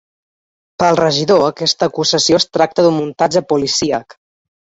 Pel regidor, aquesta acusació es tracta d’un muntatge policíac.